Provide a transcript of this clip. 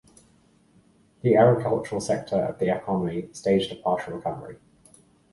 The agricultural sector of the economy staged a partial recovery.